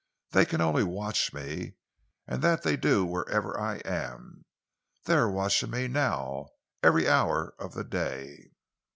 They can only watch me, and that they do wherever I am. They are watching me now, every hour of the day."